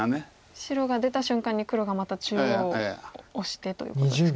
白が出た瞬間に黒がまた中央をオシてということですか。